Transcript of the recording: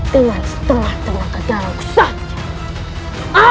dengan setengah tenaga jarakku saja